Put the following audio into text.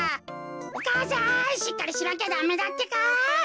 お母さんしっかりしなきゃダメだってか。